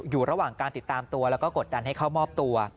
อยู่ระหว่างการติดตามตัวแล้วก็กดดันให้เข้ามอบตัว